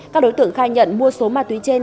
các đối tượng khai nhận mua số ma túy trên